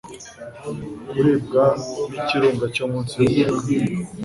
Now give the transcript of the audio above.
kuribwa nikirunga cyo munsi y'ubutaka